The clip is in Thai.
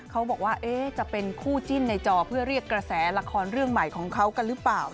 เขาบอกว่าจะเป็นคู่จิ้นในจอเพื่อเรียกกระแสละครเรื่องใหม่ของเขากันหรือเปล่า